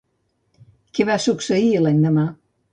Què va succeir l'endemà?